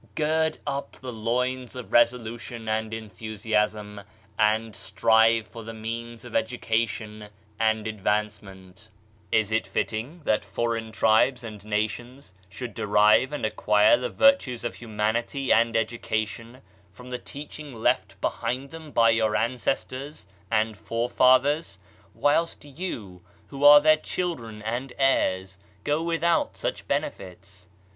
Gird up the loins of resolution and enthusiasm, and strive for the means of education and advancement Is it fitting that foreign tribes and nations should de rive and acquire the virtues of humanity and edu cation from the teaching left behind them by your ancestors and forefathers, whilst you who are their children and heirs go without such benefits?